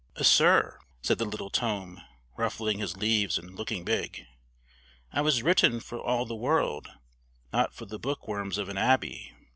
"Sir," said the little tome, ruffling his leaves and looking big, "I was written for all the world, not for the bookworms of an abbey.